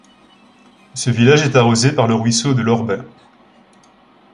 Ce village est arrosé par le ruisseau de l'Orbais.